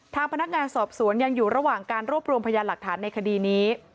ทางพนักงานสอบสวนยังอยู่ระหว่างการรวบรวมพยานหลักฐานในคดีนี้